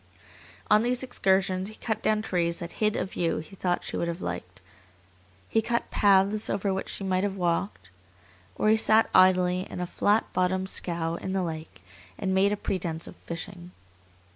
On these excursions he cut down trees that hid a view he thought she would have liked, he cut paths over which she might have walked. Or he sat idly in a flat bottomed scow in the lake and made a pretence of fishing.